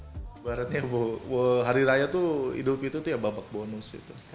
lebaratnya hari raya itu hidup itu babak bonus